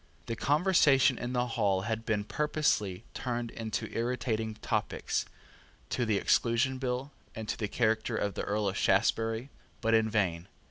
The conversation in the hall had been purposely turned to irritating topics, to the Exclusion Bill, and to the character of the Earl of Shaftesbury, but in vain.